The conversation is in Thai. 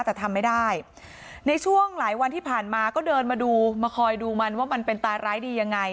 แต่ทำไม่ได้ในช่วงหลายวันที่ผ่านมาก็เดินมาดูมาคอยดูมันว่ามันเป็นตายร้ายดียังไง